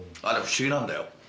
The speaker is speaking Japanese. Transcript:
あれ不思議なんだよ